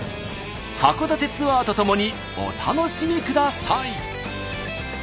函館ツアーとともにお楽しみください。